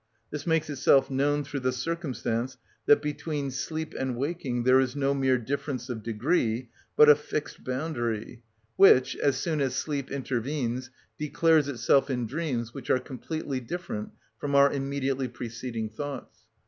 This makes itself known through the circumstance that between sleep and waking there is no mere difference of degree, but a fixed boundary, which, as soon as sleep intervenes, declares itself in dreams which are completely different from our immediately preceding thoughts.